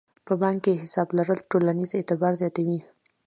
په بانک کې حساب لرل ټولنیز اعتبار زیاتوي.